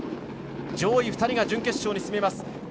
上位２人が準決勝に進みます。